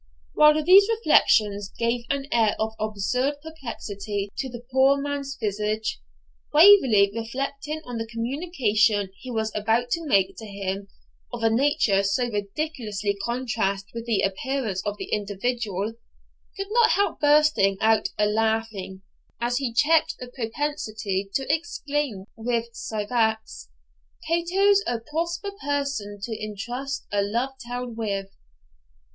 While these reflections gave an air of absurd perplexity to the poor man's visage, Waverley, reflecting on the communication he was about to make to him, of a nature so ridiculously contrasted with the appearance of the individual, could not help bursting out a laughing, as he checked the propensity to exclaim with Syphax Cato's a proper person to intrust A love tale with.